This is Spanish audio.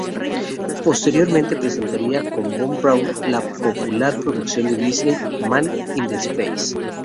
Posteriormente presentaría con von Braun la popular producción de Disney ""Man in Space"".